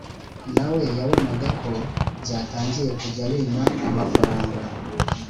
na we yabonaga ko byatangiye kujya bima amafaranga